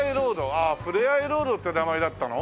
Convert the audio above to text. ああふれあいロードって名前だったの？